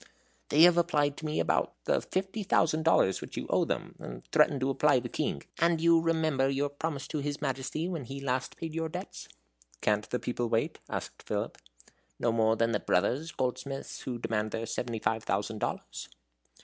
"They have applied to me about the fifty thousand dollars which you owe them, and threaten to apply to the King. And you remember your promise to his Majesty, when last he paid your debts." "Can't the people wait?" asked Philip. "No more than the Brothers, goldsmiths, who demand their seventy five thousand dollars."